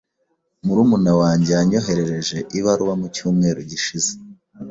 Murumuna wanjye yanyoherereje ibaruwa mu cyumweru gishize.